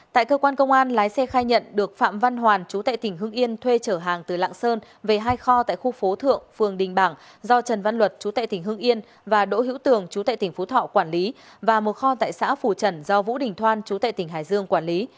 tại cơ quan công an lái xe khai nhận được phạm văn hoàn chú tại tỉnh hưng yên thuê trở hàng từ lạng sơn về hai kho tại khu phố thượng phường đình bảng do trần văn luật chú tệ tỉnh hưng yên và đỗ hữu tường chú tại tỉnh phú thọ quản lý và một kho tại xã phù trần do vũ đình thoan chú tệ tỉnh hải dương quản lý